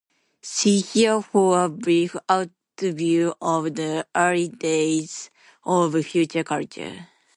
See here for a brief overview of the early days of Future Culture.